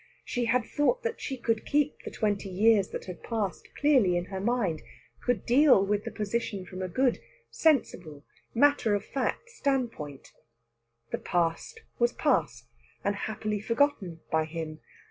She had thought that she could keep the twenty years that had passed clearly in her mind; could deal with the position from a good, sensible, matter of fact standpoint. The past was past, and happily forgotten by him.